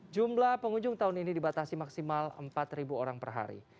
jumlah pengunjung tahun ini dibatasi maksimal empat orang per hari